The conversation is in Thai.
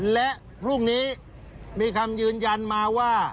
และพรุ่งนี้มีคำยืนยันมาว่า